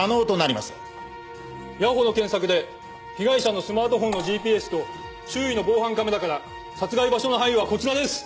谷保の検索で被害者のスマートフォンのＧＰＳと周囲の防犯カメラから殺害場所の範囲はこちらです。